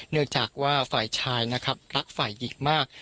เนื่องจากว่าฝ่ายชายนะครับรักฝ่ายหญิงมาก